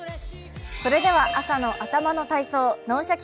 それでは朝の頭の体操「脳シャキ！